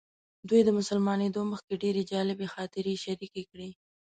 دوی د مسلمانېدو مخکې ډېرې جالبې خاطرې شریکې کړې.